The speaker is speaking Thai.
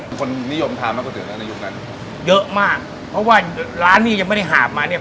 คนนิยมทานมาก๋วนะในยุคนั้นเยอะมากเพราะว่าร้านนี้ยังไม่ได้หาบมาเนี้ย